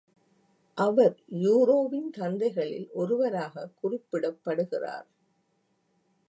அவர் யூரோவின் தந்தைகளில் ஒருவராக குறிப்பிடப்படுகிறார்.